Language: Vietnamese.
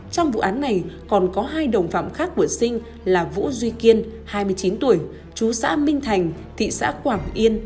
trong vụ án này còn có hai đồng phạm khác của sinh là vũ duy kiên hai mươi chín tuổi chú xã minh thành thị xã quảng yên